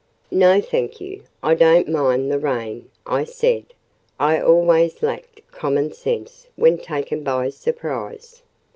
"No, thank you, I don't mind the rain," I said. I always lacked common sense when taken by surprise.